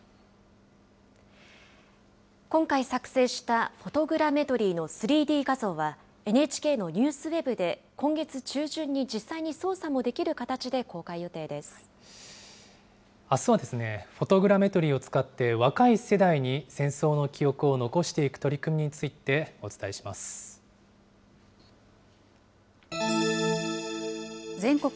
今回作成したフォトグラメトリーの３Ｄ画像は、ＮＨＫのニュースウェブで、今月中旬に実際に操作もできる形で公あすは、フォトグラメトリーを使って若い世代に戦争の記憶を残していく取り組みについてお伝全国